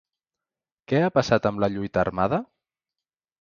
Què ha passat amb la lluita armada?